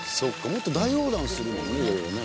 もっと大横断するもんね色々ね。